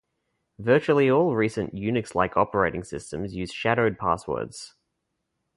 Virtually all recent Unix-like operating systems use shadowed passwords.